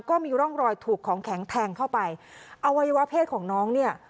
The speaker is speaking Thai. ก็มีร่องรอยถูกของแข็งแทงเข้าไปอวัยวะเพศของน้องเนี่ย